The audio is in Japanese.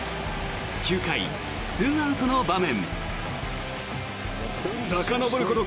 ９回、２アウトの場面。